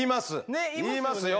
ねっ言いますよね。